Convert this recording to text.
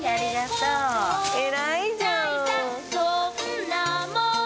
偉いじゃん。